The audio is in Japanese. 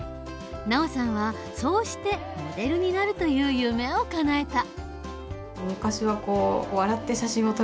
ＮＡＯさんはそうしてモデルになるという夢をかなえた。